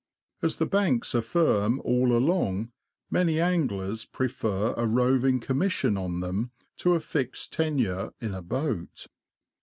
As the banks are firm all along, many anglers prefer a roving commission on them to a fixed tenure in a boat.